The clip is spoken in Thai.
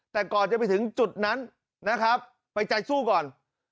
แต่ก่อนจะไปถึงจุดนั้นนะครับไปใจสู้ก่อน